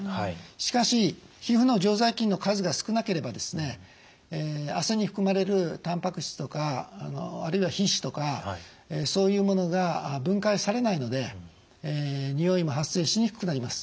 しかし皮膚の常在菌の数が少なければ汗に含まれるタンパク質とかあるいは皮脂とかそういうものが分解されないのでにおいも発生しにくくなります。